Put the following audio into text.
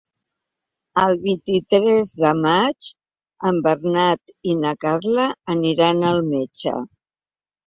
El vint-i-tres de maig en Bernat i na Carla aniran al metge.